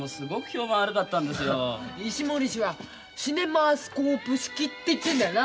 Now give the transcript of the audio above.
石森氏はシネマスコープ式って言ってんだよな。